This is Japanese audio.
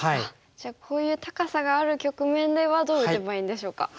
じゃあこういう高さがある局面ではどう打てばいいんでしょうか。